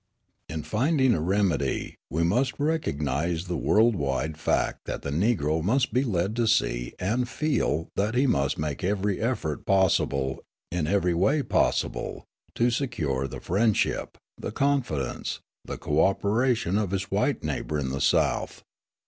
In finding a remedy, we must recognise the world wide fact that the Negro must be led to see and feel that he must make every effort possible, in every way possible, to secure the friendship, the confidence, the co operation of his white neighbour in the South.